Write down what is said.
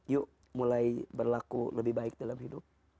yuk mulai berlaku lebih baik dalam hidup